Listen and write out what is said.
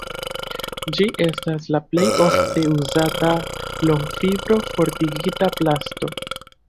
Ĝi estas la plej ofte uzata longfibro-fortigita plasto.